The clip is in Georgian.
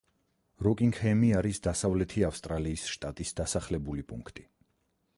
როკინგჰემი არის დასავლეთი ავსტრალიის შტატის დასახლებული პუნქტი.